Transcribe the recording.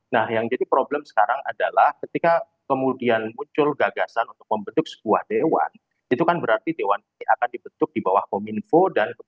nah yang jadi problem sekarang adalah ketika kemudian muncul gagasan untuk membentuk sebuah dewan itu kan berarti dewan ini akan dibentuk di bawah kominfo